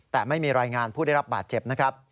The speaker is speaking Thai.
แต่ไม่มีรายงานผู้ได้รับบาดเจ็บนะครับ